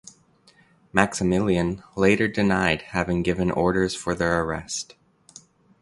Maximilian later denied having given orders for their arrest.